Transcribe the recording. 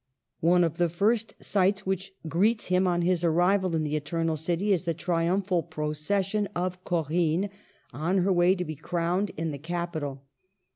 One of the first sights which greets them on their arrival in the Eternal City is the triumphal procession of " Corinne " on her way to be crowned in the Capitol.